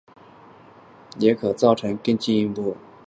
抚触男性肛门口也可造成更进一步的愉悦感。